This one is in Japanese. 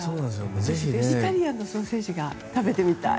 ベジタリアンのソーセージが食べてみたい。